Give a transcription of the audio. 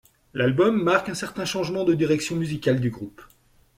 L'album marque un certain changement de direction musicale du groupe.